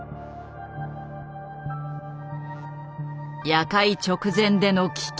夜会直前での危機。